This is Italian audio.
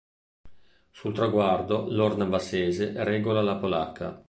Sul traguardo l'ornavassese regola la polacca.